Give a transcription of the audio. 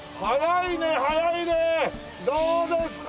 どうですか？